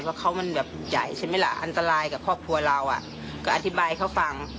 ว่าเขามันแบบใหญ่ใช่ไหมล่ะอันตรายกับครอบครัวเราอ่ะก็อธิบายเขาฟัง